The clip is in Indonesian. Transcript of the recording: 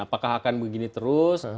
apakah akan begini terus